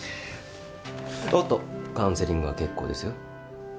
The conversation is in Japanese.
おっとカウンセリングは結構ですよ。